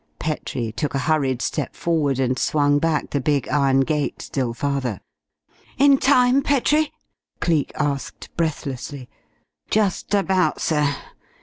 Petrie took a hurried step forward and swung back the big iron gate still farther. "In time, Petrie?" Cleek asked breathlessly. "Just about, sir.